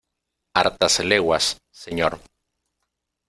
¡ hartas leguas, señor!